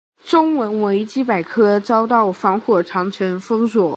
中文维基百科遭到防火长城封锁。